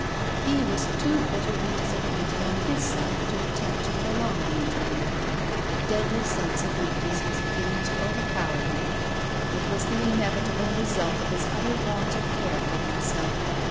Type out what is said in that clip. He was too bitterly disappointed, on his side, to attempt to prolong the interview. A deadly sense of weakness was beginning to overpower him. It was the inevitable result of his utter want of care for himself.